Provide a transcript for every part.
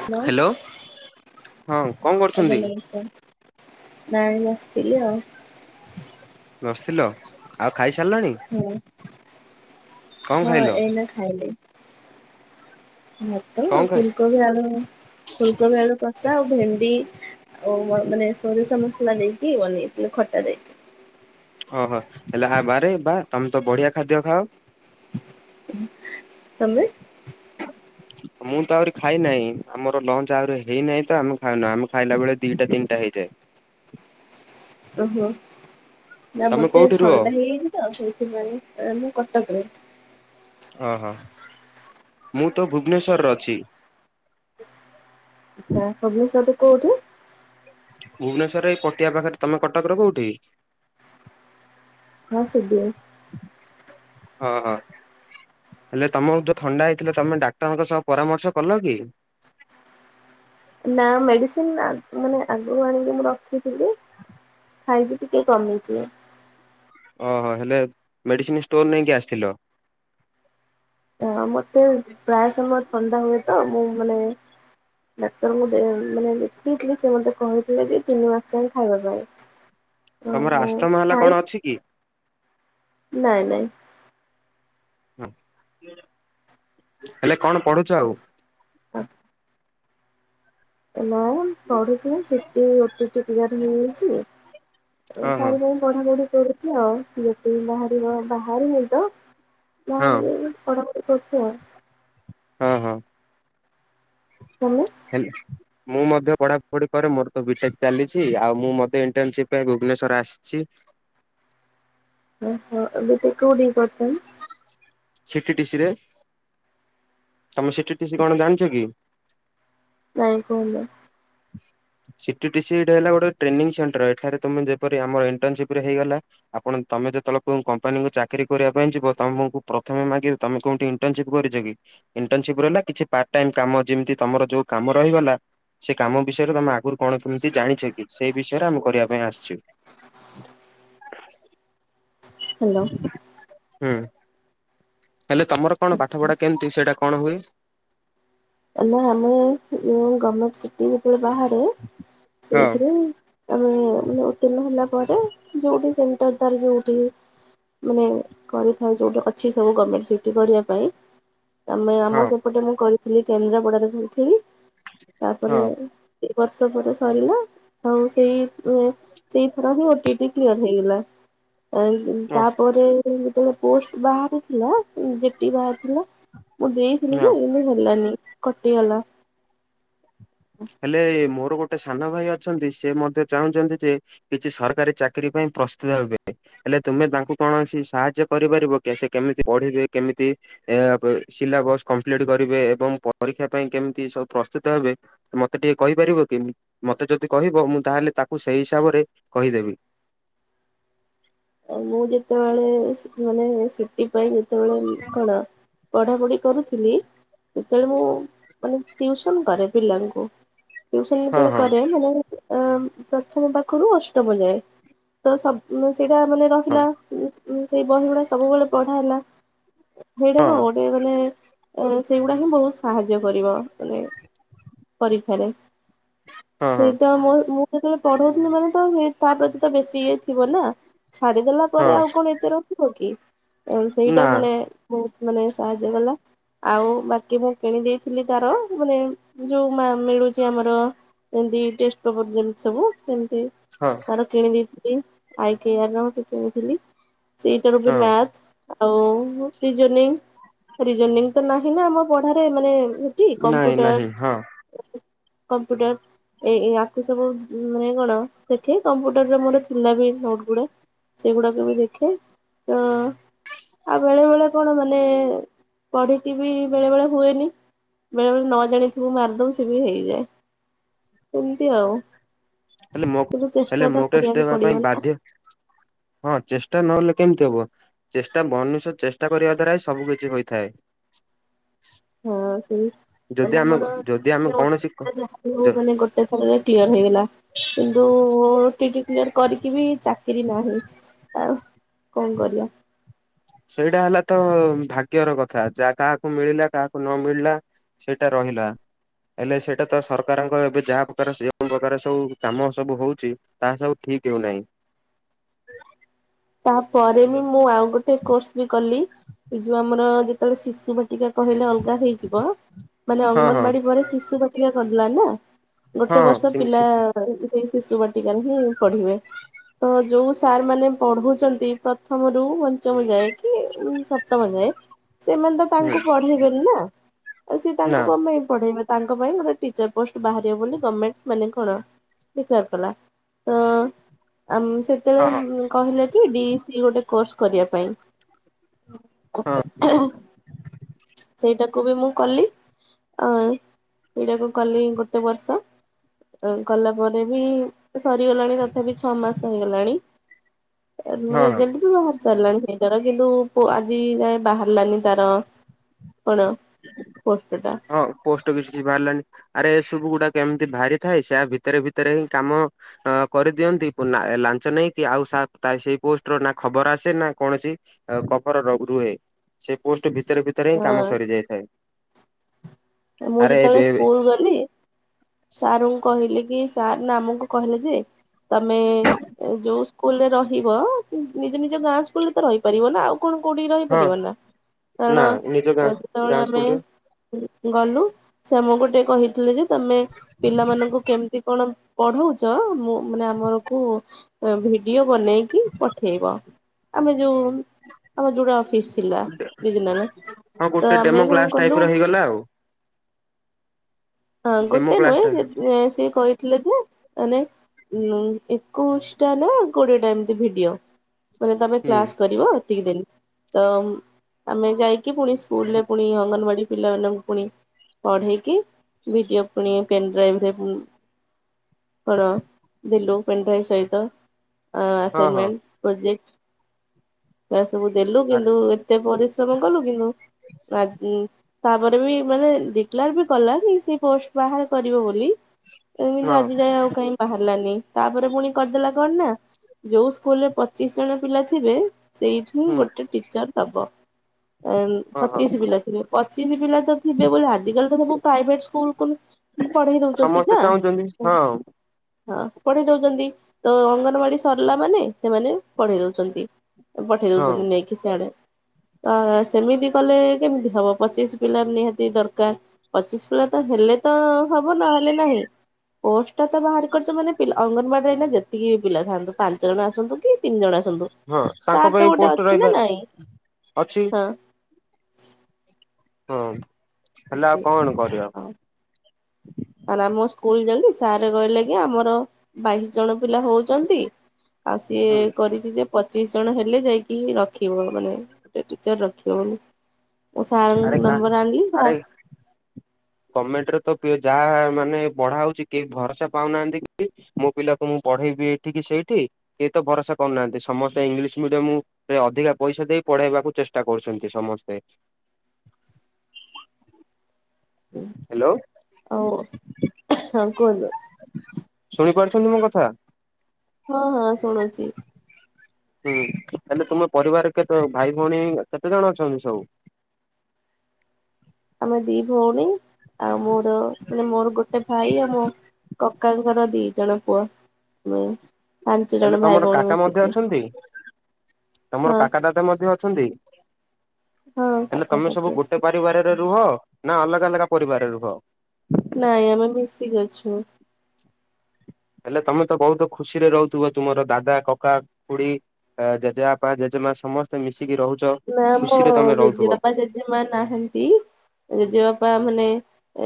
Hello ହଁ କଣ ଆଜ୍ଞା କରୁଛନ୍ତି? ନମସ୍କାର। ନାଇଁ ମୁଁ ଥିଲି ଆଉ। ବସିଥିଲ ଆଉ ଖାଇସାରିଲଣି? ହୁଁ କଣ - ହଁ ଖାଇଲ ଏଇନା ଖାଇଲି। ଭାତ କଣ ଆଉ ଖାଇ ଫୁଲକୋବି ଆଳୁ ଫୁଲକୋବି ଆଳୁ କଷା ଆଉ ଭେଣ୍ଡି ଓଉ ମାନେ ଶୋରିଷ ମସଲା ଦେଇକି ବନେଇେ ଥିଲୁ ଖଟା ରେ। ଓହୋ ହେଲେ ଆବା ରେ ବା ତମେ ତ ବଢିଆ ଖାଦ୍ୟ ଖାଅ। ତମେ ମୁଁ ତ ଆହୁରି ଖାଇ ନାହିଁ ଆମର ଲଞ୍ଚ ଆହୁରି ହେଇନାହିଁ ତ ଆମେ ଖାଉନ ଆମେ ଖାଇଲା ବେଳେ ଦିଟା ତିନିଟା ହେଇଯାଏ। ଓହୋ ନା ତମେ ମତେ କୋଉଠି ରୁହ? ଥଣ୍ଡା ହେଇଯାଇଛି ତ ସେଇଥିପାଇଁ, ମୁଁ କଟକରେ। ଓହୋ ମୁଁ ତ ଭୁବନେଶ୍ଵରରେ ଅଛି। ଆଚ୍ଛା ଭୁବନେଶ୍ୱର ର କୋଉଠି? ଭୁବନେଶ୍ୱରେ ଏଇ ପଟିଆ ପାଖରେ ତମେ କଟକରେ କୋଉଠି? ହଁ ସିିଡିଏ। ହଁ -ହଁ। ହେଲେ ତମକୁ ଯୋଉ ଥଣ୍ଡା ହେଇଥିଲା ତମେ ଡାକ୍ତରଙ୍କ ସହ ପରାମର୍ଶ କଲ କି? ନା ମେଡିସିନ ମାନେ ଆଗରୁ ଆଣିକି ମୁଁ ରଖିଥିଲି। ଖାଇଛି ଟିକେ କମିଛି। ଓହୋ ହେଲେ ମେଡ଼ିସିନ ଷ୍ଟୋର ନେଇକି ଆସିଥିଲ। ହ ମତେ ପ୍ରାୟ ସମୟ ଥଣ୍ଡା ହୁଏ ତ ମୁଁ ମାନେ ଡାକ୍ତର ଦେ ମାନେ ଦେଖେଇଥିଲି ସେ ମତେ କହିଥିଲେ କି ତିନି ମାସ ଯ ଖାଇବା ପାଇଁ। ହଁ ତମର ମୁଁ ଆସ୍ତମା ହେଲା ଖାଇ କଣ ଅଛି କି? ନାଇଁ ନାଇଁ। ହେଲେ କଣ ପଢୁଛ ଆଉ? ହଁ। ନା ପଢୁଛି ସିଟ୍ ଓଟିଇଟ୍ କ୍ଲିୟର ହେଇଛି ହଁ ହଁ ତାପରେ ପଢା ପଢି କରୁଛି ଆଉ ସଏ ପ [unintelligible] ବାହାରିବ ବାହାରିନିତ ହଁ ଯାହାବି ହେଲେ ପଢାପଢି କରୁଛି ଆଉ। ହଁ ହଁ ତମେ ହେଲେ ମୁଁ ମଧ୍ୟ ପଢାପଢି କରେ ମୋର ତ ବିଟେକ୍ ଚାଲିଛି ଆଉ ମୁଁ ମତେ ଇଣ୍ଟନସିପ୍ ପାଇଁ ଭୁବନେଶ୍ୱର ଆସିଛି। ଓହୋ ବିଟେକ୍ କୋଉଠି କରିଛନ୍? ସିଟି ଟିସିି ରେ। ତମ ସିଟ୍ ଟିସ୍ କଣ ଜାଣିଛ କି? ନାଇଁ କୁହନ୍ତୁ? ସିଟ୍ ଟିସ୍ ହେଲା ଗୋଟେ ଟ୍ରେନିଂ ସେଣ୍ଟର ଏଠାରେ ତମେ ଯେପରି ଆମ ଇଣ୍ଟନସିପ୍ ରେ ହେଇଗଲା ଆପଣ ତମେ ଯେତେବେଳେ କୋଉ କମ୍ପାନୀ କୁ ଚାକିରି କରିବା ପାଇଁ ଯିବ ତମକୁ ପ୍ରଥମେ ମାଗି ତମେ କୋଉଠି ଇଣ୍ଡର୍ନସିପ୍ କିରିଚ କି? ଇଣ୍ଟର୍ନସିପ୍ର ରହିଲା କିଛି ପାର୍ଟ ଟାଇମ୍ କାମ ଯେମିତି ତୁମର ଯେଉଁ କାମ ରହିଗଲା। ସେ କାମ ବିଷୟରେ ତମେ ଆଗରୁ କଣ କେମିତି ଜାଣିଛ କି ସେଇ ବିଷୟରେ ଆମେ କରିବା ପାଇଁ ଆସିଚୁ। ହାଲୋ। ହୁଁ ହେଲେ ତମର କଣ ଆଚ୍ଛା ପାଠ ପଢା କେମିତି ସେଇଟା କଣ ହୁଏ? ଆମେ ଆମେ ଗମେଣ୍ଟ ସିଟି ଯେ ବାହାରେ ହଁ ସେଇଥିରେ ଆମେ ମାନେ ଉତ୍ତୀର୍ଣ୍ଣ ହେଲା ପରେ ଯଉଠି ସେଣ୍ଟର ତାର ଯୋଉଠି। ମାନେ କରିଥାଉ ଯେଉଁଟି ଅଛି ସବୁ ଗମେଣ୍ଟ ସିଟି କରିବା ପାଇଁ। ଆମେ ଆମ ହଁ ସେପଟେ ମୁଁ କରିଥିଲି କେନ୍ଦ୍ରାପଡାରେ କରିଥିଲି ହଁ ତାପରେ ଦି ବର୍ଷ ପରେ ସରିଲା ଆଉ ସେଇ ସେଇ ଥର ହିଁ ଓଟିଇଟ୍ କ୍ଲିୟର ହେଇଗଲା ଆ। ହଁ ତାପରେ ଯେତେବେଳେ ପୋଷ୍ଟ ବାହାରିଥିଲା। ଯିଟି ବାହାରି ଥିଲା ମୁଁ ଦେଇଥିଲି ହଁ ଯେ କିନ୍ତୁ ହେଲାନି କଟିଗଲା। ହେଲେ ମୋର ଗୋଟେ ସାନ ଭାଇ ଅଛନ୍ତି ସେ ମଧ୍ୟ ଚାହୁଁଛନ୍ତି ଯେ କିଛି ସରକାରୀ ଚାକିରି ପାଇଁ ପ୍ରସ୍ତୁତ ହେବେ। ହେଲେ ତୁମେ ତାଙ୍କୁ କୌଣସି ସାହାଯ୍ୟ କରିପାରିବ କି ସେ କେମିତି ପଢିବେ କେମିତି ଏ ସିଲାବସ କମ୍ପ୍ଲିଟ କରିବେ। ଏବଂ ପରୀକ୍ଷା ପାଇଁ କେମିତି ସବୁ ପ୍ରସ୍ତୁତ ହେବେ। ମତେ ଟିକେ କହିପାରିବ କି? ମତେ ଯଦି କହିବ, ମୁଁ ତାହେଲେ ତାକୁ ସେଇ ହିସାବରେ କହିଦେବି। ମୁଁ ଯେତେବେଳେ ମାନେ ସିଟି ପାଇଁ ଯେତେବେଳେ କଣ ପଢାପଢି କରୁଥିଲି, ସେତେବେଳେ ମୁଁ ମାନେ ଟ୍ୟଉସନ୍ କରେ ପିଲାଙ୍କୁ। ଟ୍ୟଉସନ୍ ହଁ ଯେତେବେଳେ ହଁ କରେ ମାନେ ଅ ପ୍ରଥମ ପାଖରୁ ଅଷ୍ଟମ ଯାଏ। ତ ସବ ସେଇଟା ମାନେ ହଁ ରହିଲା। ସେଇ ବହି ଗୁଡା ସବୁବେଳେ ପଢା ହେଲା। ସେଇଟା ହଁ କଣ? ଓଡ଼ିଆ ମାନେ ସେଇଗୁଡା ହିଁ ବହୁତ୍ ସାହାଯ୍ୟ କରିବ ମାନେ ପରୀକ୍ଷାରେ। ହଁ ହଁ ସେଇ ତ ମୁଁ ଯେତେବେଳେ ପଢଉଥିଲି। ମାନେ ତ ସେ ତା ପ୍ରତି ତ ବେଶୀ ଇଏ ଥିବ ନାଁ। ଛାଡିଦେଲା ପରେ ହଁ ଆଉ କଣ ଏତେ ରଖିବ କି? ନା ସେଇଟା ମାନେ ବହୁତ୍ ମାନେ ସାହାଯ୍ୟ କଲା। ଆଉ ବାକି ମୁଁ କିଣି ଦେଇଥିଲି ତାର ମାନେ ଯୋଉ ମିଳୁଚି ଆମର ଏମତି ଟେଷ୍ଟେ ପେପର୍ ଯେମିତି ସବୁ ସେମତି ହଁ ଆର୍ କିଣି ଦେଇଥିଲି। କ୍ୟାଆର୍ ର ଗୋଟେ କିଣିଥିଲି। ସେଇଟାରୁ ବି ହଁ ମ୍ୟାଥ୍। ଆଉ ରିଜନିଙ୍ଗ୍ ରିଜନିଙ୍ଗ୍ ତ ନାହିଁ ନାଁ ଆମ ପଢାରେ। ମାନେ କି ନାଇଁ କମ୍ପୁଟର ନାହିଁ ହଁ କମ୍ପ୍ୟୁଟର। ଏଇ ଆଖୁ ସବୁ ମାନେ କଣ ଦେଖେ କମ୍ପ୍ୟୁଟରରେ ମୋ ଥିଲା ବି ଭୋ ଗୁଡା ସେଗୁଡାକ ବି ଦେଖେ ତ ଆଉ ବେଳେ ବେଳେ କଣ? ମାନେ ପଢିକି ବି ବେଳେ ବେଳେ ହୁଏନି। ବେଳେ ବେଳେ ନ ଜାଣିଥିବୁ ମାରିଦବ, ସେ ବି ହେଇଯାଏ। ଏମିତି ଆଉ। ହେଲେ ମୋ କିନ୍ତୁ ହେଲେ ଚେଷ୍ଟା ତ ମୋ ଟେଷ୍ଟ କରିବାକୁ ଦେବା ପଡିବ ପାଇଁ ନା ବାଧ୍ୟ ହଁ ଚେଷ୍ଟା ନହେଲେ କେମିତି ହବ? ଚେଷ୍ଟା ମନୁଷ୍ୟ ଚେଷ୍ଟା କରିବା ଦ୍ୱାରା ହିଁ, ସବୁକିଛି ହୋଇଥାଏ। [inaudible] ହଁ ସେଇ ଯଦି ମାନେ ଆମେ ମୋର ଯଦି ଆମେ କୌଣସି କ ଗଟେ ଯାହା ହଉ। ଯ ମାନେ ଗୋଟେ ଥରରେ କ୍ଲିୟର ହେଇଗଲା। କିନ୍ତୁ ଟି‌ଟି କରିକି ବି, ଚାକିରି ନାହିଁ। ଆଉ କଣ କରିବା। ସେଇଟା ହେଲା ତ ଭାଗ୍ୟର କଥା। ଯା କାହାକୁ ମିଳିଲା କାହାକୁ ନ ମିଳିଲା। ସେଇଟା ରହିଲା। ହେଲେ ସେଇଟା ତ ସରକାରଙ୍କ ଏବେ ଯାହା ପ୍ରକାର ଯେଉ ପ୍ରକାର କାମ ସବୁ ହଉଚି ତାହା ସବୁ ଠିକ ହଉନାହିଁ। ତାପରେ ବି ମୁଁ ଆଉ ଗୋଟେ କୋର୍ସ ବି କଲି। ଏ ଯୋଉ ଆମର ଯେତେବେଳେ ଶିଶୁ ବା ଟିକା କହିଲେ ଅଲଗା ହେଇଯିବ। ମାନେ ହଁ ହଁ ଅଙ୍ଗନବାଡି ପରେ ଶିଶୁ ବାଟିକା କରିଦେଲା ନା। ହଁ ଗୋଟେ ହଁ ବର୍ଷ ସେ ପିଲା ସେ ସେଇ ଶିଶୁ ବାଟିକାରେ ହିଁ ପଢିବେ। ତ ଯୋଉ ସାର୍ ମାନେ ପଢୁଉଚନ୍ତି। ପ୍ରଥମରୁ ପଞ୍ଚମ ଯାଏ କି ସପ୍ତମ ଯାଏ ସେମାନେ ତ ହୁଁ ତାଙ୍କୁ ପଢେଇବେନି ନା। ଆଉ ସିଏ ନା ତାଙ୍କୁ କଣ ପାଇଁ ପଢେଇବେ? ତାଙ୍କ ପାଇଁ ଗୋଟେ ଟିଚର ପୋଷ୍ଟ ବାହାରିବ ବୋଲି ଗମେଣ୍ଟ ମାନେ କଣ ଡିକଲାର କଲା। ତ ଆ ହଁ ହଁ ସେତେବେଳେ କହିଲା କି, ଡି ଇ ସି ଗୋଟେ କୋର୍ସ କରିବା ପାଇଁ। ହଁ ସେଇଟାକୁ ବି ମୁଁ କଲି। ଅ ସେଇଟାକୁ କଲି ଗୋଟେ ବର୍ଷ। କଲା ପରେ ବି, ସରିଗଲାଣି ତଥାପି ଛଅ ମାସ ହେଇଗଲାଣି। ହଁ ମାନ ହଁ। ଯେମତି ବି ବାହାରି ସାରିଲାନି ସେଇଟାର। କିନ୍ତୁ ଆଜି ଯାଏ ବାହାରିଲାନି ତାର କଣ? ପୋଷ୍ଟ ଟା। ହଁ। ପୋଷ୍ଟ କିଛି ବାହାରିଲାନି ଆରେ ଏ ସବୁ ଗୁଡାକ ଏମିତି ବାହାରି ଥାଏ। ସେଆ ଭିତରେ ଭିତରେ ହିଁ କାମ ଅ କରିଦିଅନ୍ତି, ଲାଞ୍ଚ ନେଇକି। ଆଉ ସେଇ ପୋଷ୍ଟର ନା ଖବର ଆସେ, ନା କୌଣସି କଫର ରୁହେ। ସେ ପୋଷ୍ଟ ଭିତରେ ଭିତରେ ହିଁ କାମ ହଁ ସରି ଯାଇଥାଏ। ମୁଁ ଯେତେବେଳେ ଏବେ ସ୍କୁଲ ଗଲି ସାରଙ୍କୁ କହିଲି କି ସାର ନା ଆମକୁ କହିଲେ ଯେ ତମେ ଯୋଉ ସ୍କୁଲରେ ରହିବ ନିଜ ନିଜ ଗାଁ ସ୍କୁଲ ରେ ତ ରହିପାରିବ ନା ଆଉ କଣ କୋଉଠି ହଁ ରହିପାରିବ ନା ନା କାରଣ ନିଜ ଗାଁ ଯେତେବେଳେ ଗାଁ ଆମେ ସ୍କୁଲରେ ଗଲୁ ସେ ଆମକୁ ଟିକେ କହିଥିଲି ଯେ ତମେ ପିଲାମାନଙ୍କୁ କେମିତି କଣ ପଢଉଚ ମୁଁ ମାନେ ଆମରକୁ ଭି ଭିଡିଓ ବନେଇକି ପଠେଇବ ଆମେ ଯୋଉ ଆମର ଯୋଉଟା ଅଫିସ ଥିଲା [unintelligible] ହଁ ତ ଗୋଟେ ଆମେ ଡେମୋ କଣ କ୍ଲାସ ଟାଇପ କଲୁ ର [unintelligible] ହେଇଗଲା ଆଉ ହଁ ଡେମୋ ଗୋଟେ କ୍ଲାସ ଟା ନୁହେଁ ସିଏ କହିଥିଲେ ଯେ ମାନେ ଉ ଏକୋଇଶି ଟା ନା କୋଡିଏ ଟା ଏମିତି ଭିଡିଓ। ମାନେ ତମେ ହୁଁ କ୍ଲାସ କରିବ ଏତିକି ଦିନ ତ ଆମେ ଯାଇକି କି ପୁଣି ସ୍କୁଲ ରେ ପୁଣି ଅଙ୍ଗନବାଡି ପିଲାମାନଙ୍କୁ ପୁଣି ପଢେଇକି ଭିଡିଓ ପୁଣି ପେନ୍ଡାଇଭି ରେ ପୁ କଣ ଦେଲୁ ପେନ୍ ଡ୍ରାଇଭ ସହିତ। ହଁ ହଁ ଆସାଇନମେଣ୍ଟ ପ୍ରୋଜେକ୍ଟ ଏ ସବୁ ଦେଲୁ ଆରେ କିନ୍ତୁ ଏତେ ପରିଶ୍ରମ କଲୁ କିନ୍ତୁ ଆ ତାପରେ ବି ମାନେ ଡିକଲାର ବି କଲା କି ସେ ପୋଷ୍ଟ ବାହାର କରିବ ବୋଲି କିନ୍ତୁ ହଁ ଆଜି ଯାଏ ଆଉ କାହିଁ ବାହାରିଲାନି ତାପରେ ପୁଣି କରିଦେଲା କଣ ନା ଯୋଉ ସ୍କୁଲରେ ପଚିଶ ଜଣ ପିଲା ଥିବେ ସେଇଠି ହିଁ ହୁଁ ଗୋଟେ ଟିଚର ଦବ। ହଁ ହଁ ପଚିଶ ପିଲାଥିବେ ପଚିଶ ପିଲା ତ ଥିବେ ବୋଲି ଆଜିକାଲି ତ ସବୁ ପ୍ରାଇଭେଟ ସ୍କୁ ସ୍କୁଲକୁଲ ପଢେଇ ଦଉଚନ୍ତି ସମସ୍ତେ ନା। ଚାହୁଁଛନ୍ତି ହଁ ହଁ ପଢେଇ ଦଉଚନ୍ତି ତ ଅଙ୍ଗନବାଡି ସରିଲା ମାନେ ସେମାନେ ପଢେଇ ଦଉଚନ୍ତି। ପଠେଇ ହଁ ଦଉଚନ୍ତି ନେଇକି ସିଆଡେ ତ ସେମିତି କଲେ କେମିତି ହବ। ପଚିଶ ପିଲା ନିହାତି ଦରକାର ପଚିଶ ପିଲାତ ହେଲେତ ହବ ନହେଲେ ନାହିଁ। ପୋଷ୍ଟଟାତ ବାହାର କରିଛ ମାନେ ପିଲା ଅଙ୍ଗନବାଡିରେ ଏଇନା ଯେତିକି ପିଲାଥାନ୍ତୁ ପାଞ୍ଚ ଜଣ ଆସନ୍ତୁକି ତିନି ଜଣ ଆସନ୍ତୁ। ହଁ ତାଙ୍କ ପାଇଁ ତାରତ ଗୋଟେ ପୋଷ୍ଟ ରହିବା ଅଛିନା ନାଇଁ ଅଛି ହଁ। ହଁ ହେଲେ ଆଉ ଏମତି କଣ କରିବା। ଆରେ ଆମ ସ୍କୁଲ ଜଲଦି ସାର କହିଲେକି ଆମର ବାଇଶି ଜଣ ପିଲା ହଉଛନ୍ତି। ଆଉ ସିଏ ହୁଁ କରିଛିଯେ ପଚିଶିଜଣ ହେଲେ ଯାଇକି ରଖିବ ମାନେ ଗୋଟେ ଟିଚର ରଖିବ ବୋଲି। ମୁଁ ଆରେ ସାରଙ୍କ କା ନମ୍ବର ଆଣିଲି ସାର ଗମେଣ୍ଟରେତ ଯାହା ମାନେ ପଢା ହଉଛି କେହି ଭରସା ପାଉନାହାନ୍ତିକି। ମୋ ପିଲାକୁ ମୁଁ ପଢେଇବି ଏଠିକି ସେଇଠି କିଏତ ଭରସା କରୁନାହାନ୍ତି ସମସ୍ତେ ଇଂଲିଶ ମିଡିୟମୁ ସେ ଅଧିକା ପଇସା ଦେଇ ପଢେଇବାକୁ ଚେଷ୍ଟା କରୁଛନ୍ତି ସମସ୍ତେ। ହାଲୋ ଆଉ ହଁ କୁହନ୍ତୁ ଶୁଣିପାରୁଛନ୍ତି ମୋକଥା। ହଁ ହଁ ଶୁଣୁଛି। ହୁଁ ହେଲେ ତୁମ ପରିବାର କେତେ ଭାଇ ଭଉଣୀ କେତେ ଜଣ ଅଛନ୍ତି ସବୁ। ଆମେ ଦି ଭଉଣୀ ଆଉ ମୋର ମାନେ ମୋର ଗୋଟେ ଭାଇ ଆଉ ମୋ କକା ଙ୍କର ଦି ଜଣ ପୁଅ [unintelligible] ଜଣ ହେଲେ ଭାଇ ତମର ଭଉଣୀ କାକା ମଧ୍ୟ ମିଶିକି ଅଛନ୍ତି ତମର ହଁ କାକା ଦାଦା ମଧ୍ୟ ଅଛନ୍ତି ହଁ ହେଲେ କାକା ତମେ କାକି ସବୁ ଗୋଟେ ପାର ଅଛନ୍ତି ଗୋଟେ ପରିବାରରେ ରୁହ ନାଁ ଅଲଗା ଅଲଗା ପରିବାରରେ ରୁହ। ନାଇଁ ଆମେ ମିଶିକି ଅଛୁ। ହେଲେ ତମେତ ବହୁତ ଖୁସିରେ ରହୁଥିବ ତୁମର ଦାଦା କକା ଖୁଡି ଆଁ ଜେଜେବାପା ଜେଜେମା ସମସ୍ତେ ମିଶିକି ରହୁଛ ନା ମୋ ଖୁସିରେ ତମେ ରହୁଥିବ। ଜେଜେବାପା ଜେଜେମା ନାହାନ୍ତି ଜେଜେବାପା ମାନେ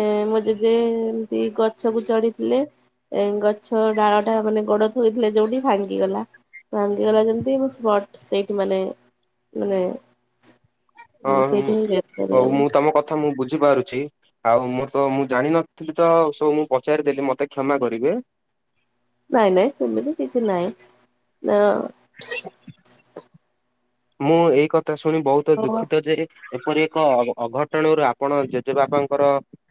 ଏଁ ମୋ ଜେଜେ ଏମିତି କରି ସବୁ ଚଢିଥିଲେ ଏଁ ଗଛ ଡାଳଟା ମାନେ ଗୋଡ ଥୋଇଥିଲେ ଯୋଉଠି ଭାଙ୍ଗିଗଲା। ଭାଙ୍ଗିଗଲା ଯେମିତି ମୁଁ ସ୍ପଷ୍ଟ ସେଇଠି ମାନେ ମାନେ ହଁ ସେଇଠି ମୁଁ ହିଁ ଡେଥ ହଉ କରିଗଲେ ମୁଁ ତମ କଥା ମୁଁ ବୁଝିପାରୁଛି। ଆଉ ମୁଁତ ମୁଁ ଜାଣିନଥିଲିତ ସବୁ ମୁଁ ପଚାରି ଦେଲି ମତେ କ୍ଷମା କରିବେ। ନାଇଁ ନାଇଁ ସେମିତି କିଛି ନାଇଁ ନାଁ। ମୁଁ ଏଇ କଥା ଶୁଣି ବହୁତ ଆଉ ଦୁଃଖିତଯେ ଏପରି ଏକ ଅଘ ଅଘଟଣରୁ ଆପଣ ଜେଜେବାପାଙ୍କର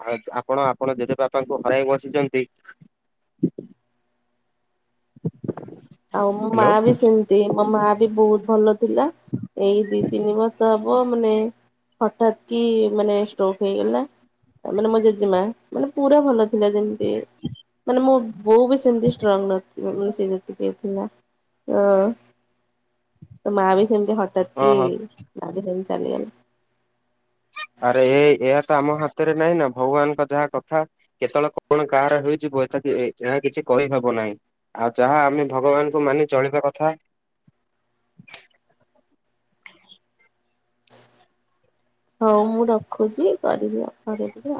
ଆ ଆପଣ ଆପଣ ଜଜେ ବାପାଙ୍କୁ ହରାଇ ବସିଚନ୍ତି। ଆଉ ମୋ ହ୍ୟାଲୋ ମାବି ସେମିତି ମୋ ମାବି ବହୁତ ଭଲ। ଥିଲା ଏଇ ଦିଇ ତିନିବର୍ଷ ହବ ମାନେ ହଠାତକି ମାନେ ଷ୍ଟୋକ ହେଇଗଲା। ମାନେ ମୋ ଜେଜେମା ମାନେ ପୁରା ଭଲଥିଲା ଯେମିତି ସିଏ ମାନେ ମୋ ବୋଉବି ସେମତି ଷ୍ଟ୍ରଙ୍ଗ ନଥିବ ମାନେ ସିଏ ଯେମିତି ଟିକିଏ ଥିଲା ଅଁ ମାବି ସେମିତି ହଁ ହଠାତକି ହଁ ଦାଦୁ ସେମିତି ଚାଲିଗଲେ। ଆରେ ଏ ଏହାତ ଆମ ହାତରେ ନାହିଁନା ଭଗବାନଙ୍କ ଯାହା କଥା। କେତେବେଳେ କଣ କାହାର ହୋଇଯିବ ଏଥାକି ଏହା କିଛି କହିହବ ନାହିଁ। ଆଉ ଯାହା ଆମେ ଭଗବାନଙ୍କୁ ମାନି ଚଳିବା କଥା। ହଉ ମୁଁ ରଖୁଛି କରିଦିଅ କରିଦିଅ।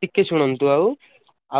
ଟିକିଏ ଶୁଣନ୍ତୁ ଆଉ। ଆଉ